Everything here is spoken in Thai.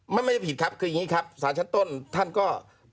มันไม่ผิดครับคืออย่างนี้ครับ